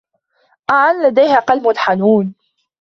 آن لديها قلب حنون.